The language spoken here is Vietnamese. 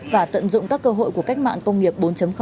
và tận dụng các cơ hội của cách mạng công nghiệp bốn